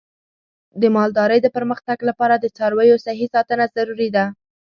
د مالدارۍ د پرمختګ لپاره د څارویو صحي ساتنه ضروري ده.